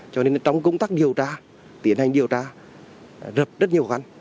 cho nên trong công tác điều tra tiến hành điều tra rập rất nhiều khó khăn